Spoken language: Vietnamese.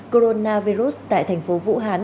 coronavirus tại thành phố vũ hán